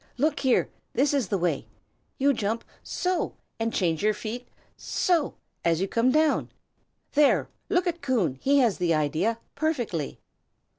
Look here! this is the way. You jump so! and change your feet so! as you come down. There, look at Coon; he has the idea, perfectly!"